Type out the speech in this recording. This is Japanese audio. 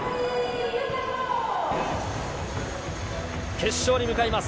決勝に向かいます。